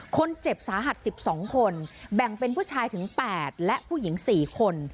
คนเจ็บสาหัส๑๒คนแบ่งเป็นผู้ชายถึง๘และผู้หญิง๔คน